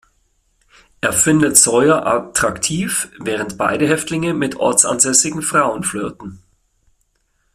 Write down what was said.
Er findet Sawyer attraktiv während beide Häftlinge mit ortsansässigen Frauen flirten.